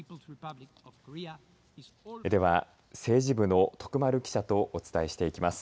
では、政治部の徳丸記者とお伝えしていきます。